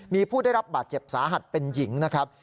มีผู้ได้รับบาดเจ็บสาหัสเป็นหญิงนะครับ